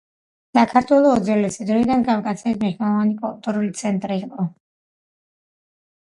საქართველო უძველესი დროიდან კავკასიის მნიშვნელოვანი კულტურული ცენტრი იყო.